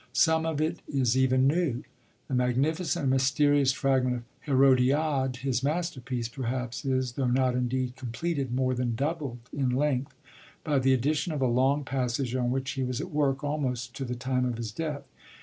Some of it is even new. The magnificent and mysterious fragment of Hérodiade, his masterpiece, perhaps, is, though not indeed completed, more than doubled in length by the addition of a long passage on which he was at work almost to the time of his death.